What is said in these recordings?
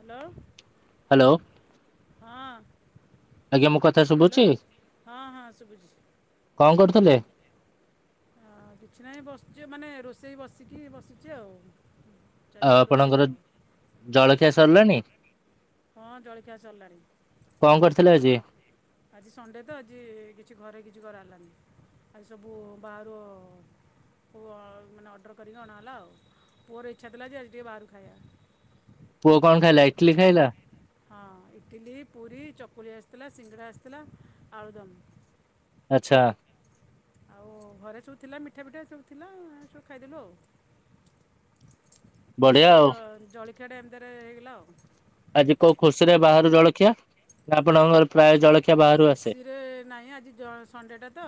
Hello. Hello. ହଁ ଆଜ୍ଞା ମୋ କଥା ହେଲୋ, ଶୁଭୁଛି ହଁ ହଁ ଶୁଭୁଛି। କଣ କରୁଥିଲେ? ହଁ କିଛି ନାହିଁ ବସିଛି ମାନେ ରୋଷେଇ ବସିକି ବସିଛି ଆଉ। ଆଉ ଚାଲିଛି ରୋଷେଇ ଆପଣଙ୍କର ଆଉ ଜଳଖିଆ ସରିଲାଣି? ହଁ ଜଳଖିଆ ସରିଲାଣି। କଣ କରିଥିଲେ ଆଜି ଆଜି ସଣ୍ଡେ ତ ଆଜି କିଛି ଘରେ କିଛି କରାହେଲାନି। ଆଉ ସବୁ ବାହାରୁ ପୁଅ ମାନେ ଅର୍ଡ଼ର କରିକି ଅଣାହେଲା ଆଉ ପୁଅର ଇଚ୍ଛା ଥିଲା ଯେ ଆଜି ଟିକେ ବାହାରୁ ଖାଇଆ। ପୁଅ କଣ ଖାଇଲା ଇଟଲିି ଖାଇଲା। ହଁ ଇଟିଲି, ପୁରୀ, ଚକୁଳି ଆସିଥିଲା, ସିଙ୍ଗଡ଼ା ଆସିଥିଲା, ଆଳୁଦମ୍। ଆଚ୍ଛା। ଆଉ ଘରେ ସବୁ ଥିଲା ମିଠା ପିଠା ସବୁ ଥିଲା ସବୁ ଖାଇଦେଲୁ ଆଉ। ବଢିଆ ଆଜିର ଆଉ ଜ ଜଳଖିଆଟା ଏମତିରେ ହେଇଗଲା ଆଉ। ଆଜି କୋଉ ଖୁସି ରେ ବାହାରୁ ଜଳଖିଆ ନା ଆପଣଙ୍କର ପ୍ରାୟ ଜଳଖ ଖୁସିରେ ନାହିଁ ଆଜି ଜ ସଣ୍ଡେଟା ତ।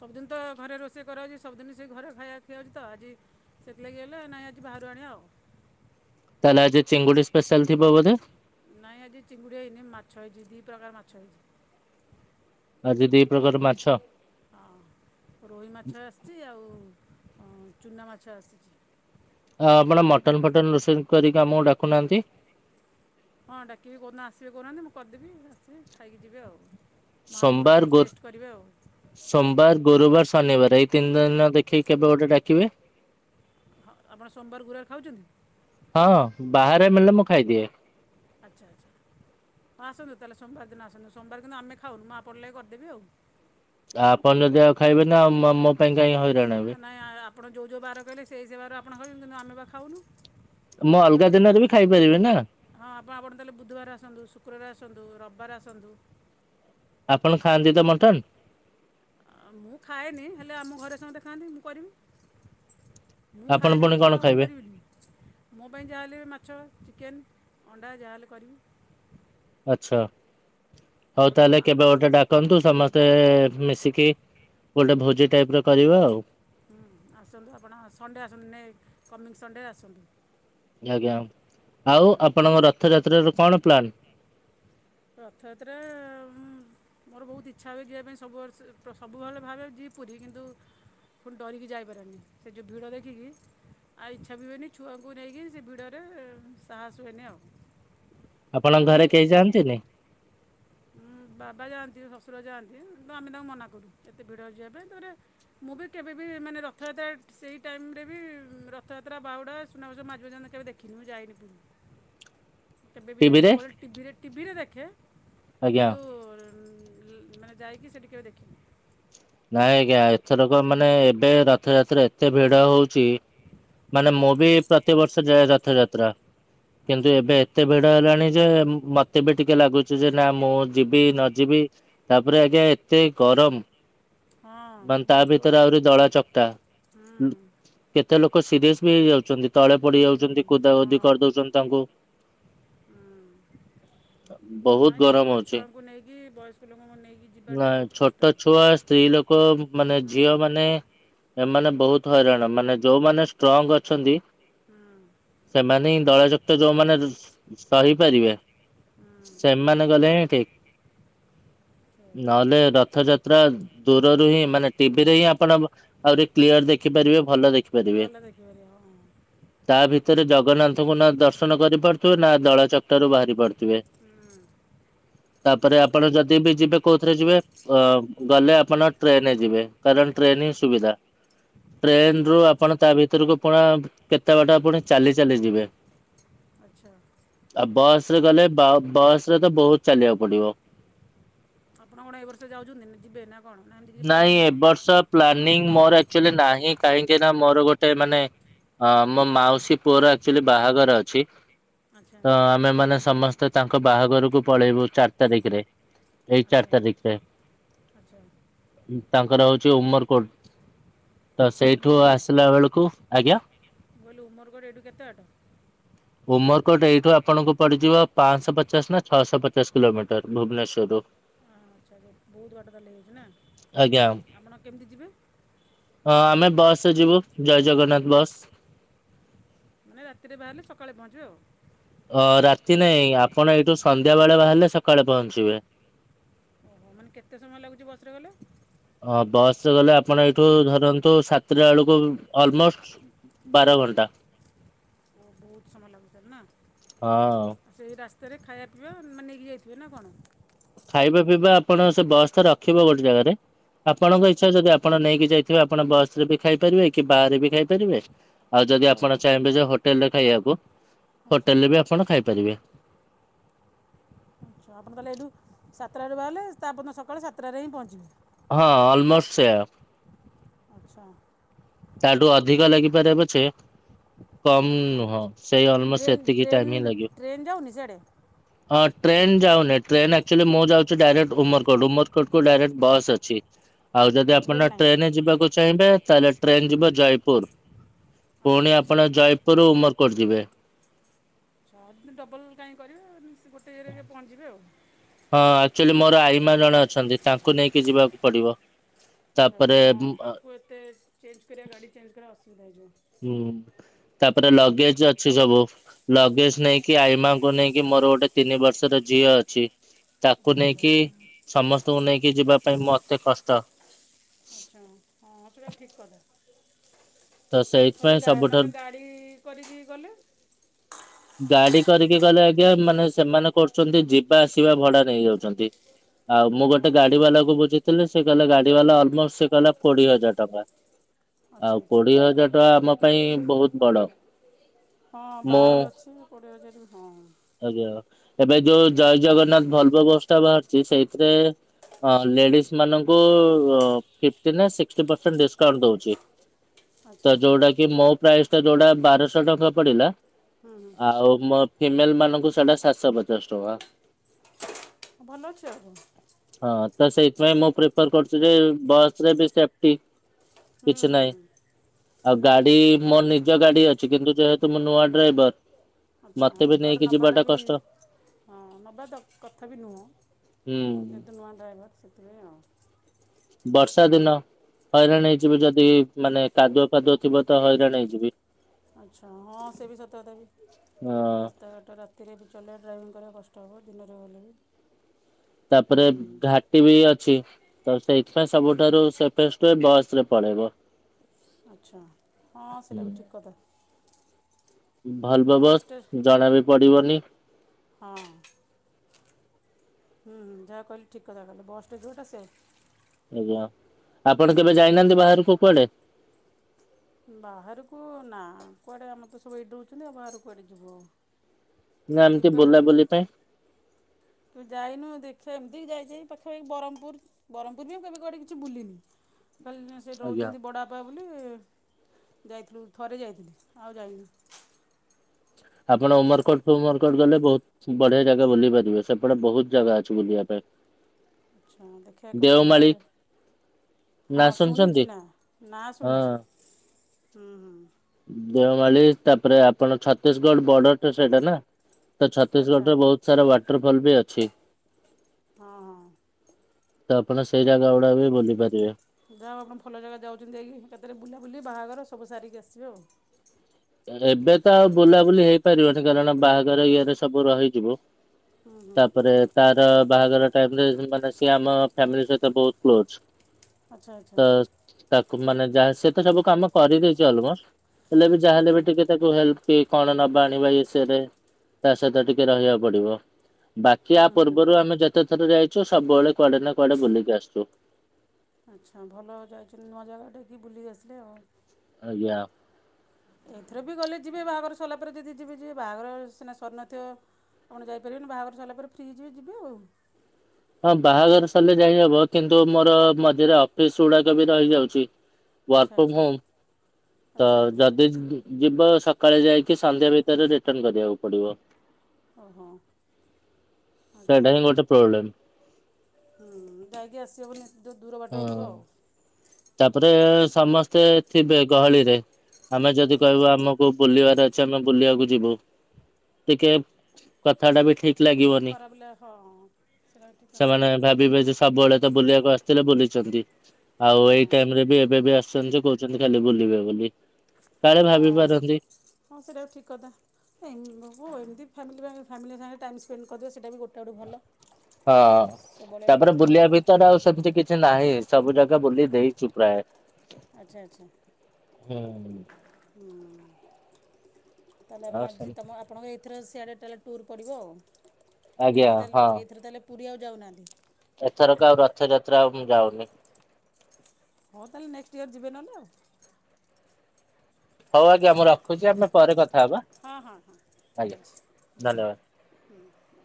ସବୁଦିନ ତ ଘରେ ରୋଷେଇ କରାହଉଛି ସବୁଦିନ ସେ ଘରେ ଖାଇବା ଖିଆହଉଛି ତ ଆଜି ସେଥିଲାଗି ହେଲେ ନାଇଁ ଆଜି ବାହାରୁ ଆଣିବା ଆଉ। ତାହେଲେ ଆଜି ଚିଙ୍ଗୁଡି ସ୍ପେଶାଲ ଥିବ ବଧେ? ନାଇଁ ଆଜି ଚିଙ୍ଗୁଡ଼ି ହେଇନି ମାଛ ହେଇଛି ଦି ପ୍ରକାର ମାଛ ହେଇଛି। ଆଉ ଦି ପ୍ରକାର ଗୋଟେ- ମାଛ? ହଁ ରୋହି ମାଛ ଆସିଛି ଆଉ ଚୁନା ମାଛ ଆସିଛି। ଆଉ ଆପଣ ମଟନ ଫଟନ ରୋଷେଇ କରିକି ଆମକୁ ଡାକୁନାହାନ୍ତି? ହଁ ଡାକିବି କୋଉଦିନ ଆସିବେ କହୁନାହାନ୍ତି ମୁଁ କରିଦେବି ଆସିବେ ଖାଇକି ଯିବେ ଆଉ। ମୋ ହାତ ରୋଷେଇ ସୋମବାର ଗୁ ଟେଷ୍ଟ କରିବେ ଆଉ ସୋମବାର, ଗୁରୁବାର, ଶନିବାର ଏଇ ତିନି ଦିନ ଦେଖିକି କେବେ ଗୋଟେ ଡାକିବେ? ହଁ ଆପଣ ସୋମବାର ଗୁରୁବାର ଖାଉଛନ୍ତି? ହଁ ବାହାରେ ମିଳିଲେ ମୁଁ ଖାଇଦିଏ। ଆଚ୍ଛା ଆଚ୍ଛା ହଁ ଆସନ୍ତୁ ତାହେଲେ ସୋମବାର ଦିନ ଆସନ୍ତୁ ସୋମବାର ଦିନ ଆମେ ଖାଉନୁ ମୁଁ ଆପଣଙ୍କ ଲାଗି କରିଦେବି ଆଉ। ଆପଣ ଯଦି ଆଉ ଖାଇବେନି ଆଉ ମୋ ପାଇଁ କାହିଁ ହଇରାଣ ହେବେ ନାଇଁ ଆପଣ ଯୋଉ ଯୋଉ ବାର କହିଲେ ସେଇ ସେଇ ବାର ଆପଣ ଖାଉଛ କିନ୍ତୁ ଆମେ ବା ଖାଉନୁ। ମୁଁ ସେ ବାର ଅଲଗା ଦିନରେ ବି ଖାଇ ପାରିବି ନା। ହଁ ଆପଣ ଆପଣ ତାହେଲେ ବୁଧବାର ଆସନ୍ତୁ, ଶୁକ୍ରବାର ଆସନ୍ତୁ, ରବିବାର ଆସନ୍ତୁ। ଆପଣ ଖାଆନ୍ତି ତ ମଟନ? ଅ ମୁଁ ଖାଏନି ହେଲେ ଆମ ଘରେ ସମସ୍ତେ ଖାଆନ୍ତି ମୁଁ କରିବି। ମୁଁ ଆପଣ ଖାଏନି ପୁଣି ବୋଲି କଣ ଆଉ ଖାଇବେ? କରିବିନି। ମୋ ପାଇଁ ଯାହାହେଲେବି ମାଛ, ଚିକେନ, ଅଣ୍ଡା ଯାହାହେଲେ କରିବି। ଆଚ୍ଛା ହଉ ଆପଣ ତାହେଲେ ଆ, କେବେ ଗୋଟେ ଡାକନ୍ତୁ ସମସ୍ତେ ତେ ମିଶିକି ଗୋଟେ ଭୋଜି ଟାଇପ ର କରିବା ଆଉ। ହୁଁ ଆସନ୍ତୁ ଆପଣ ସଣ୍ଡେ ଆସନ୍ତୁ ନେ କମିଙ୍ଗ ସଣ୍ଡେ ଆସନ୍ତୁ। ଆଜ୍ଞା ଆଉ ଆପଣଙ୍କର ରଥଯାତ୍ରାର କଣ ପ୍ଲାନ୍? ରଥଯାତ୍ରା ମୁଁ ମୋର ବହୁତ ଇଚ୍ଛା ହୁଏ ଯିବା ପାଇଁ ସବୁବର୍ଷ ସବୁବେଳେ ଭାବେ ଯିବି ପୁରୀ କିନ୍ତୁ ଫୁଣି ଡରିକି ଯାଇପାରେନି ସେ ଯୋଉ ଭିଡ଼ ଦେଖିକି ଆଉ ଇଚ୍ଛା ବି ହୁଏନି ଛୁଆଙ୍କୁ ନେଇକି ସେ ଭିଡ଼ରେ ସାହସ ହୁଏନି ଆଉ। ତ ଆପଣଙ୍କ ମୁଁ ଘରେ କେହି ଯାଆନ୍ତିନି? ଉଁ ବାବା ଯାଆନ୍ତି, ଶ୍ୱଶୁର ଯାଆନ୍ତି ତ ଆମେ ତାଙ୍କୁ ମନା କରୁ ଏତେ ଭିଡ଼ରେ ଯିବା ପାଇଁ ତାପରେ ମୁଁ ବି କେବେ ବିି ମାନେ ରଥଯାତ୍ରା ସେଇ ଟାଇମରେ ବି ରଥଯାତ୍ରା ବାହୁଡ଼ା ସୁନାବେଶ ମୁଁ ଆଜି ପର୍ଯ୍ୟନ୍ତ କେବେ ଦେଖ କି ମୁଁ ଯାଇନି ପୁରୀ। [inaudible] ମୁଁ କେବେ ବି ଯାଇନି ଟିଭିରେ ସବୁବେଳେ ଟିଭିରେ ଟିଭିରେ ଦେଖେ। ଆଜ୍ଞା କିନ୍ତୁ ମାନେ ଯାଇକି ସେଠି କେବେ ଦେଖିନି। ନାଇଁ ଆଜ୍ଞା ଏଥରକ ମାନେ ଏବେ ରଥଯାତ୍ରା ଏତେ ଭିଡ ହଉଚି। ମାନେ ମୁଁ ହୁଁ, ବି ପ୍ରତିବର୍ଷ ଯାଏ ରଥଯାତ୍ରା ଆଚ୍ଛା କିନ୍ତୁ ହଁ ଏବେ ଏତେ ଭିଡ ହେଲାଣି ଯେ ମତେ ବି ଟିକେ ଲାଗୁଚି ଯେ ନା ମୁଁ ଯିବି ନ ଯିବି ତାପରେ ଆଜ୍ଞା ଏତେ ଗରମ। ଏ ମାନେ ତା ବହୁତ ଭିତରେ ଗରମ ଆହୁରି ଦଳା ଚକ୍ଟା ହୁଁ କେତେ ଲୋକ ସିରିଏସ୍ ବି ହେଇଯାଉଚନ୍ତି ତଳେ ପଡି ହେଇଯାଉଛନ୍ତି ଯାଉଚନ୍ତି କୁଦା କୁଦି କରିଦଉଚନ୍ତି ତାଙ୍କୁ। ଉଁ। ବହୁତ ନାଇଁ ଗରମ ଛୋଟ ହଉଛି। ଛୁଆଙ୍କୁ ନେଇକି ବୟସ୍କ ଲୋକଙ୍କୁ ନେଇକି ନା ଯିବାଟା ବହୁତ ଛୋଟ କଷ୍ଟ। ଛୁଆ ସ୍ତ୍ରୀ ଲୋକ ମାନେ ହୁଁ ଝିଅ ମାନେ ଏମାନେ ବହୁତ ହଇରାଣ ମାନେ ଯୋଉମାନେ ଷ୍ଟ୍ରଙ୍ଗ ଅଛନ୍ତି ହୁଁ। ସେମାନେ ହିଁ ଦଳାଚକଟା ଯୋଉମାନେ ସହିପାରିବେ ହୁଁ ସେମାନେ ଗଲେ ହିଁ ଠିକ୍ ସେଇଆ। ନହେଲେ ରଥଯା ତ୍ରା ଦୂରରୁ ହିଁ ମାନେ ଟିଭିରେ ହିଁ ଆପଣ ଆହୁରି କ୍ଲିୟର ଦେଖିପାରିବେ ଭଲ ଦେ ଭଲ ଦେଖିପାରିବେ ହଁ। ତା ଭିତରେ ଜଗନ୍ନାଥଙ୍କୁ ନା ଦର୍ଶନ କରିପାରୁଥୁବେ ନା ଦଳ ଚକଟାରୁୁ ବାହାରି ପାରୁଥିବେ। ହୁଁ। ତାପରେ ଆପଣ ଯଦି ବି ଯିବେ କୋଉଥିରେ ଯିବେ ଅ ଗଲେ ଆପଣ ଟ୍ରେନ ରେ ଯିବେ କାରଣ ଟ୍ରେନ ହିଁ ସୁବିଧା। ଟ୍ରେନ ହୁଁ ରୁ ଆପଣ ତା ଭିତୁରୁକୁ ପୁଣା କେତେ ବାଟ ପୁଣି ଚାଲି ଚାଲି ଯିବେ। ଆଚ୍ଛା। ଆଉ ବସ ରେ ଗଲେ ବ-ବସ ରେ ତ ବହୁତ ଚାଲିବାକୁ ପଡିବ। ଆପଣ କଣ ଏଇ ବର୍ଷ ଯାଉଚନ୍ତି ନା ଯିବେ ନା କଣ ନା ଏମିତି କିଛି ନାଇଁ ପ୍ଲାନିଙ୍ଗ ଏ ନାହିଁ? ବର୍ଷ ପ୍ଲାନିଂ ମୋର ଅକ୍ଚୁଆଲି ନାହିଁ କାହିଁକି ନା ମୋର ଗୋଟେ ମାନେ ଅ ମୋ ମାଉସୀ ପୁଅର ଆକ୍ଚୁଆଲି ବାହାଘର ଅଛି। ଆଚ୍ଛା ତ ଆଚ୍ଛା ଆମେ ମାନେ ସମସ୍ତେ ତାଙ୍କ ବାହାଘରୁକୁ ପଳେଇବୁ ଚାରି ତାରିକରେ। ଆଚ୍ଛା ଆଚ୍ଛା। ତାଙ୍କର ହଉଚି ଉମରକୋଟ ତ ସେଇଠୁ ଉମରକୋଟ ଆସିଲା ବେଳୁକୁ ଆଜ୍ଞା। ମୁଁ କଇଲି ଉମରକୋଟ୍ ଏଇଠୁ କେତେ ବାଟ? ଉମରକୋଟ ଏଇଠୁ ଆପଣଙ୍କୁ ପଡିଯିବ ପାଆଁଶହ ପଚାଶ ନା ଛଅଶହ ପଚାଶ କିଲୋମିଟର ଭୁବନେଶ୍ୱରରୁୁ। ହଁ ଆଚ୍ଛା [unintelligible] ବହୁତ ବାଟ ତାହେଲେ ହେଇଯାଉଚି ଆଜ୍ଞା ନା ଆପଣ କେମିତି ଯିବେ? ଅ ଆମେ ବସରେ ଯିବୁ ଜୟ ଜଗନ୍ନାଥ ବସ୍। ମାନେ ରାତିରେ ବାହାରିଲେ ସକାଳେ ପହଞ୍ଚିବେ ଆଉ। ଅ ରାତି ନାଇଁ ଆପଣ ଏଇଠୁ ସନ୍ଧ୍ୟା ବେଳେ ବାହାରିଲେ ସକାଳେ ପହଞ୍ଚିବେ। ଓହୋ ମାନେ କେତେ ସମୟ ଲାଗୁଚି ବସ୍ ରେ ଗଲେ? ହଁ ବସ ରେ ଗଲେ ଆପଣ ଏଇଠୁ ଧରନ୍ତୁ ସାତଟା ବେଳୁକୁ ଅଲମୋଷ୍ଟ ବାର ଘଣ୍ଟା। ଓ ବହୁତ ସମୟ ଲାଗୁଚି ତାହାଲେ ନା। ହଁ ଆଉ ସେଇ ରାସ୍ତାରେ ଖାଇବା ପିଇବା ମାନେ ନେଇକି ଯାଇଥିବେ ନା କଣ? ଖାଇବା ପିଇବା ଆପଣ ସେଇ ବସ୍ ତ ରଖିବ ଗୋଟେ ଜାଗାରେ ଆଚ୍ଛା ଆପଣଙ୍କ ଇଚ୍ଛା ଯଦି ଆ ଆପଣ ନେଇକି ଯାଇଥିବେ ଆପଣ ବସ୍ ରେ ବି ଖାଇପାରିବେ କି ବାଆରେ ବି ଖାଇପାରିବେ। ଆଉ ଯଦି ଆଚ୍ଛା ଆପଣ ଚାହିଁବେ ଯେ ହୋଟେଲରେ ଖାଇବାକୁ ଆଚ୍ଛା ହୋଟେଲ ରେ ବି ଆପଣ ଖାଇପାରିବେ। ଆଚ୍ଛା ଆପଣ ତାହେଲେ ଏଠୁ ସାତଟାରୁ ବାହାରିଲେ ତାପର ଦିନ ସକାଳେ ସାତଟାରେ ହିଁ ପହଞ୍ଚିବେ। ହଁ ଆଲମୋଷ୍ଟ ସେଇଆ। ଆଚ୍ଛା। ତାଠୁ ଅଧିକ ଲାଗିପାରେ ପଛେ କମ୍ ଆଚ୍ଛା ନୁହଁ ସେଇ ଅଲମୋଷ୍ଟ ଟ୍ରେନ୍ ସେତିକି ଟ୍ରେନ୍ ଟାଇମ ହିଁ ଲାଗିବ। ଟ୍ରେନ୍ ଯାଉନି ସିଆଡ଼େ ହ ଟ୍ରେନ୍ ଯାଉନେଇଁ ଟ୍ରେନ ଆକ୍ଚୁଆଲି ମୁଁ ଯାଉଚି ଡାଇରେକ୍ଟ ଉମରକୋଟ ଉମରକୋଟ କୁ ଡାଇରେକ୍ଟ ବସ୍ ଅଛି। ଆଉ ଯଦି ଆଚ୍ଛା ଟ୍ରେନ୍ ଆପଣ ନାହିଁ ଟ୍ରେନରେ ଯିବାକୁ ଚାହିଁବେ ତାହେଲେ ଟ୍ରେନ ଯିବ ଜୟପୁର। ଆଚ୍ଛା ପୁଣି ଆଚ୍ଛା ଆପଣ ଜୟପୁରରୁ ଉମରକୋଟ ଯିବେ। ହଁ ପୁଣି ଡବଲ୍ କାହିଁ କରିବେ ଗୋଟେ ଇଏରେ ପହଞ୍ଚିବେ ଆଉ। ହଁ ଆକ୍ଚୁଆଲି ମୋର ଆଇମା ଜଣେ ଅଛନ୍ତି ତାଙ୍କୁ ନେଇକି ଯିବାକୁ ପଡିବ। ଆଚ୍ଛା ଆଛା ତାପରେ ହଁ ତାଙ୍କୁ ଏତେ ଚେଞ୍ଜ କରିବା ଗାଡ଼ି ଚେଞ୍ଜ କରିବା ଅସୁବିଧା ହେଇଯିବ। ହୁଁ ତାପରେ ଲଗେଜ ଅଛି ସବୁ ଲଗେଜ ନେଇକି ଆଇମାଙ୍କୁ ନେଇକି ମୋର ଗୋଟେ ତିନି ବର୍ଷର ଝିଅ ଅଛି ତାକୁ ଆଚ୍ଛା ନେଇକି ସମସ୍ ତ ନେଇକି ଯିବା ପାଇଁ ମତେ କଷ୍ଟ ଆଛା ହଁ ସେଟା ବି ଠିକ କଥା ତ ନଲେ ସେଇଥିପାଇଁ ସବୁଠାରୁ ନହଲେ ଗା ଇ କରିକି ଗଲେ। ଗାଡି କରିକି ଗଲେ ଆଜ୍ଞା ମାନେ ସେମାନେ କରୁଛନ୍ତି ଯିବା ଆସିବା ଭଡା ନେଇଇଯାଉଛନ୍ତି। ଆଉ ମୁଁ ଗୋଟେ ହଁ ସେ ଗାଡି ବାଲା କ ବୁଝିଥିଲି ସେ କହିଲ ଗାଡି ବାଲା ଅଲମୋଷ୍ଟ ସେ କହଲା କୋଡିଏ ହଜାର ଟଙ୍କା। ଆଚ୍ଛା ଆଉ ଆଚ୍ଛା କୋଡିଏ ହଜାର ଟଙ୍କା ଆମ ପାଇଁ ବହୁତ ବଡ। ହଁ ମୁଁ ବାହାଘର ଅଛି କୋଡ଼ିଏ ହଜାର ବି ହଁ। ଆଜ୍ଞା ଏବେ ଯୋଉ ଜୟ ଜଗନ୍ନାଥ ଭଲବ ବସଟା ବାହାରିଛି ସେଇଥିରେ ହଁ ଲେଡିଜ ମାନଙ୍କୁ ଫିଫ୍ଟ ନାଁ ସିଷ୍ଟ ପରସେଣ୍ଟ ଡ଼ିସକାଉଣ୍ଟ ଦଉଛି। ଆଚ୍ଛା ତ ଯୋଉଟା କି ମୋ ପ୍ରାଇସ ଟା ଯୋଉଟା ବାରଶହ ଟଙ୍କା ପଡିଲା ହୁଁ ହୁଁ ଆଉ ମୋ ଫିମେଲ ମାନଙ୍କୁ ସେଟା ସାତଶହ ପଚାଶ ଟଙ୍କା। ଭଲ ଅଛି ଆଉ। ହଁ ତ ସେଇଥିପାଇଁ ମୁଁ ପ୍ରିପର କରୁଛି ଯେ ବସରେ ବି ସେପ୍ଟି। ହୁଁ କିଛି ହୁଁ ନାଇଁ। ହୁଁ ଆଉ ଗାଡି ମୋ ନିଜ ଗାଡି ଅଛି କିନ୍ତୁ ଯେହେତୁ ମୁଁ ନୂଆ ଡ୍ରାଇଭର ଆଚ୍ଛା ମତେ ଏତେ ବି ବାଟ ନେଇକି ନବାଟା ଯିବାଟା ବି କଷ୍ଟ ହଁ ନବା ଦ କଥା ବି ନୁହଁ। ହୁଁ। ସେତ ନୂଆ ଡ୍ରାଇଭର୍ ସେଥିପାଇଁ ଆଉ। ବର୍ଷା ଦିନ। ହଇରାଣ ହେଇଯିବେ ଯଦି ମାନେ କାଦୁଅ ଫାଦୁଅ ଥିବ ତ ହଇରାଣ ହେଇଯିବି। ଆଚ୍ଛା ହଁ ସେ ବି ସତ କଥା ବି ହଁ ରାସ୍ତାଘାଟ ରା ରାତିରେ ବି ଚଲେଇବା ଡ୍ରାଇଭିଂ କରିବା କଷ୍ଟ ହବ ଦିନରେ ଗଲେ ବି ତାପରେ ହୁଁ ଘା ଘାଟି ବି ଅଛି ତ ସେଇଥିପାଇଁ ସବୁଠାରୁ ସେପେଷ୍ଟେ ବସରେ ପଳେଇବ। ଆଚ୍ଛା ହଁ ସେଟା ବି ଠିକ୍ କଥା। ଭଲବ ବସ୍ଟେ ଵସ ଜଣା ବି ପଡିବନି। ହଁ ଅଁ। ହୁଁ ଯାହା କହିଲେ ଠିକ କଥା କହିଲେ ବସ୍ଟା ଯଉଟା ସେଭ। ଆଜ୍ଞା ଆପଣ କେବେ ଯାଇନାହାଁନ୍ତି ବାହାରକୁ କୁଆଡେ? ବାହାରକୁ ନା କୁଆଡ଼େ ଆମର ତ ସବୁ ଏଇଠି ରଉଛନ୍ତି ଆଉ ବାହାରକୁ କୁଆଡ଼େ ଯିବୁ ଆଉ। ନା ଏମିତି ଯିବା। ବୁଲାବୁଲି ପାଇଁ? ତୁ ଯାଇନୁ ଦେଖିବା ଏମିତିି ଯାଇଛି ପାଖାପାଖି ବ୍ରହମପୁର। ବ୍ରହ୍ମପୁରଜେ ମୁଁ କେବେ କୁଆଡ଼େ କିଛି ବୁଲିନି କାଲି ସେ ଆଜ୍ଞା। ରହୁଛନ୍ତି ବଡ଼ାପା ବୋଲି। ଯାଇଥିଲୁ ଥରେ ଯାଇଥିଲି ଆଉ ଯାଇନୁ। ଆପଣ ଉମରକୋଟ ଫୁମରକୋଟ ଗଲେ ବହୁତ ବଢିଆ ଜାଗା ବୁଲି ପାରିବେ ସେପଟେ ବହୁତ ଜାଗା ଅଛି ବୁଲିବା ପାଇଁ। ଆଚ୍ଛା ଦେଖିବା କେବେ ଯିବା ଦେଓମାଳି ନା ହଁ ଶୁଣିଛନ୍ତି ଶୁଣିଛି ନା ନା ହଁ। ଶୁଣିଛି ହୁଁ ହୁଁ। ଦେଓମାଳି ତାପରେ ଆପଣ ଛତିଶଗଡ ବର୍ଡର ଟା ସେଇଟା ନା। ତ ଆଚ୍ଛା ଛତିଶଗଡ଼ରେ ବହୁତ ସାରା ୱାଟରଫଲ ବି ଅଛି। ହଁ ହଁ। ତ ଆପଣ ସେଇ ଜାଗା ଗୁଡାକ ବି ବୁଲି ପାରିବେ। ଯାହାଉ ଆପଣ ଭଲ ଜାଗା ଯାଉଛନ୍ତି ଯାଇକିରି ଏକାଥରେ ବୁଲାବୁଲି ବାହାଘର ସବୁ ସାରିକି ଆସିବେ ଆଉ। ଏବେ ତ ଆଉ ବୁଲାବୁଲି ହେଇପାରିବନି କାରଣ ବାହାଘର ଇଏରେ ସବୁ ରହିଯିବ। ହୁଁ ହୁଁ ତାପରେ ତାର ବାହାଘର ଟାଇମରେ ମାନେ ସିଏ ଆମ ଫ୍ୟାମିଲି ସହିତ ବହୁତ କ୍ଲୋଜ। ଆଚ୍ଛା ଆଚ୍ଛା ତ ତାକୁ ମାନେ ଯାହା ସେ ତ ସବୁ କାମ କରିଦେଇଚି ଅଲମୋଷ୍ଟ। ହେଲେ ବି ଯାହା ହେଲେ ଆଚ୍ଛା ବି ଟିକେ ତା ହେଲ୍ପ କି କଣ ନବା ଆଣିବା ଇଏ ସିଏ ରେ ତା ସହିତ ଟିକେ ରହିବାକୁ ପଡିବ। ବାକି ଆ ହୁଁ ପୂର୍ବରୁ ଆମେ ଯେତେ ଥର ଯାଇଚୁ, ସବୁବେଳେ କୁଆଡେ ନା କୁଆଡେ ବୁଲିକି ଆସିଚୁ। ଆଚ୍ଛା ଭଲ ଯାଇଚନ୍ତି ନୂଆ ଜାଗାଟେକି ବୁଲିକି ଆସିଲେ ଆଉ। ଆଜ୍ଞା। ଏଥିର ବି ଗଲେ ଯିବେ ବାହାଘର ସରିଲା ପରେ ଯଦି ଯିବେ ଯିବେ। ବାହାଘର ସିନା ସରିନଥିବ ଆପଣ ଯାଇପାରିବେନି। ବାହାଘର ସରିଲା ପରେ ଫ୍ରି ହେଇଯିବେ ଯିବେ ଆଉ। ହଁ ବାହାଘର ସରିଲେ ଯାଇହବ। କିନ୍ତୁ ମୋର ମଝିରେ ଅଫିସ ଗୁଡାକ ବି ରହିଯାଉଚି। ଆଚ୍ଛା ୱାର୍କ ଫ୍ରମ ଆଚ୍ଛା ହମ। ତ ଆଚ୍ଛା ଯଦି ଯିବ ସକାଳେ ଯାଇକି ସନ୍ଧ୍ୟା ଭିତରେ ରିଟର୍ଣ କରିବାକୁ ପଡିବ। ଓହୋ। ଆଚ୍ଛା। ସେଇଟା ହିଁ ଗୋଟେ ପ୍ରୋ୍ବଲେମ୍। ହୁଁ ଯାଇକି ଆସି ହବନି ଯେଉ ଦୂର ବାଟ ହେଇଥିବ ହଁ। ଆଉ। ତାପରେ ସମସ୍ତେ ଥିବେ ଗହଳିରେ। ଆମେ ଯଦି କହିବା ଆମକୁ ବୁଲିବାର ଅଛି ଆମେ ବୁଲିବାକୁ ଯିବୁ ଟିକେ କଥା ଟା ବି ଠିକ ଲାଗିବନି। ଖରାପ ଲେ ହଁ ସେଇଟା ବି ଠିକ୍ କଥା ସେମାନେ ଭାବିବେ ଯେ ସବୁବେଳେ ତ ବୁଲିବାକୁ ଆସିଥିଲେ ବୁଲିଚନ୍ତି। ଆଉ ଏଇ ଟାଇମ ରେ ବି ଏବେ ବି ଆସିଚନ୍ତି ଯେ କହୁଚନ୍ତି ଖାଲି ବୁଲିବେ ବୋଲି। କାଳେ ହଁ। ଭାବି ପାରନ୍ତି। ହଁ ସେଟା ଭି ଠିକ୍ କଥା। ଏ ହଉ ଏମିତି ଫ୍ୟାମିଲି ପାଇଁ ଫ୍ୟାମିଲି ସାଙ୍ଗେ ଟାଇମ୍ ସ୍ପେଣ୍ଡ କରିଦେ ସେଇଟା ବି ଗୋଟେ ଆଡ଼ୁ ଭଲ। ହଁ। ସବୁବେଳେ ତାପରେ ବୁଲିବା ବି ତର ଆଉ ସେମିତି କିଛି ନାହିଁ। ସବୁ ଜାଗା ବୁଲି ଦେଇଚୁ ପ୍ରାଏ। ଆଚ୍ଛା ଆଚ୍ଛା। ହୁଁ। ହୁଁ। ତାହେଲେ ଆଉ ଆପଣ ସେ ଆଜି ତମ ଆପଣଙ୍କ ଏଥର ସିଆଡ଼େ ତାହେଲେ ଟୁୁର ପଡ଼ିବ ଆଉ। ଆଜ୍ଞା ଏଥିରେ ତାଲେ ହଁ। ଏଇଥର ତା ହେଲେ ପୁରୀ ଆଉ ଯାଉନାହାଁନ୍ତି? ଏଥରକ ଆଉ ରଥଯାତ୍ରା ଆଉ ମୁଁ ଯାଉନି। ହ ତାହାଲେ ନେକସଟ ଇୟର ଯିବେନହେଲେ ଆଉ। ହଉ ଆଜ୍ଞା ମୁଁ ରଖୁଚି। ଆମେ ପରେ କଥା ହେବା। ହଁ ହଁ ହଁ ଆଜ୍ଞା ଧନ୍ୟବାଦ। ହୁଁ।